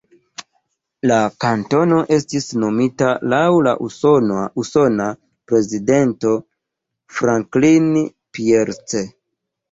La kantono estis nomita laŭ la usona prezidento Franklin Pierce.